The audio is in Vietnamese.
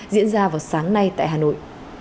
diễn ra vào sáng nay tại hà nội